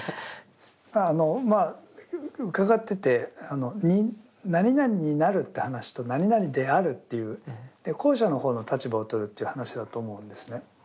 あのまあ伺ってて「何々になる」って話と「何々である」っていう後者の方の立場をとるという話だと思うんですね。